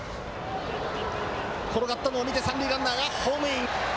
転がったのを見て三塁ランナーがホームイン。